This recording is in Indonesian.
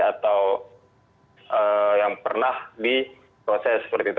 atau yang pernah diproses seperti itu